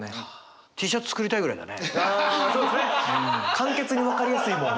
簡潔に分かりやすいもん。